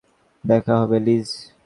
দেখা হবে, লিজ।